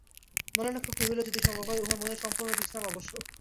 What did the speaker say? নলিনাক্ষ কহিল, যদি সম্ভব হয়, উঁহার মনের সম্পূর্ণ বিশ্রাম আবশ্যক।